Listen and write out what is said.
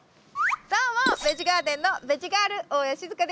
どうもベジガーデンのベジガール大家志津香です。